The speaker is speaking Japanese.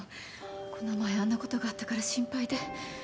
この前あんなことがあったから心配で。